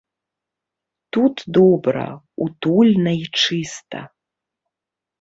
Тут добра, утульна і чыста.